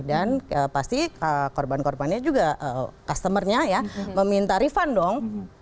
dan pasti korban korbannya juga customer nya ya meminta refund dong